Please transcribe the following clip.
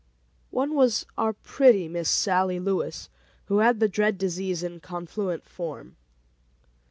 One was our pretty Miss Sallie Lewis, who had the dread disease in confluent form.